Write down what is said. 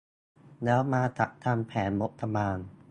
แล้วมาจัดทำแผนงบประมาณ